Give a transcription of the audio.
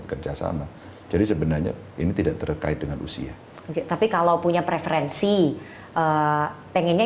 bekerja sama jadi sebenarnya ini tidak terkait dengan usia tapi kalau punya preferensi pengennya